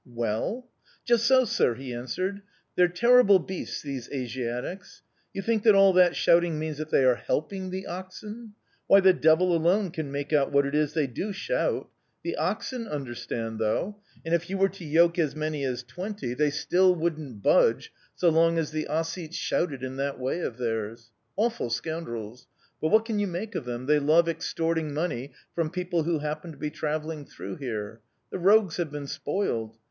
"Well?" "Just so, sir," he answered. "They're terrible beasts, these Asiatics! You think that all that shouting means that they are helping the oxen? Why, the devil alone can make out what it is they do shout. The oxen understand, though; and if you were to yoke as many as twenty they still wouldn't budge so long as the Ossetes shouted in that way of theirs.... Awful scoundrels! But what can you make of them? They love extorting money from people who happen to be travelling through here. The rogues have been spoiled!